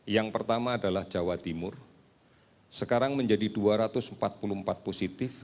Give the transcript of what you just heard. yang pertama adalah jawa timur sekarang menjadi dua ratus empat puluh empat positif